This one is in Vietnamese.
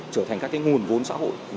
trở thành các cái nguồn vốn xã hội